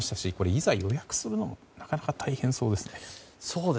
いざ予約するのもなかなか大変そうですね。